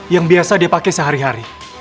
yang biasa dia pakai sehari hari